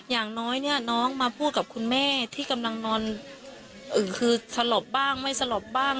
อย่างน้อยเนี่ยน้องมาพูดกับคุณแม่ที่กำลังนอนอึ่งคือสลบบ้างไม่สลบบ้าง